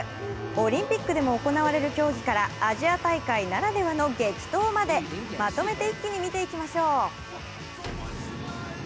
オリンピックでも行われる競技からアジア大会ならではの激闘までまとめて一気に見ていきましょう。